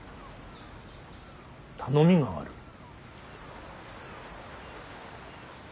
頼みがある。